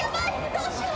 どうしよう。